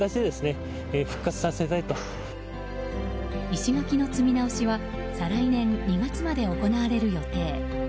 石垣の積み直しは再来年２月まで行われる予定。